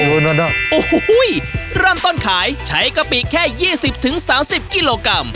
โอ้โหเริ่มต้นขายใช้กะปิแค่๒๐๓๐กิโลกรัม